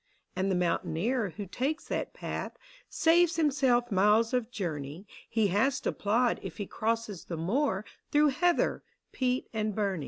And the mountaineer who takes that path Saves himself miles of journey He has to plod if he crosses the moor Through heather, peat, and burnie.